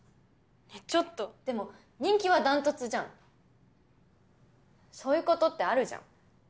ねぇちょっとでも人気は断トツじゃんそういうことってあるじゃん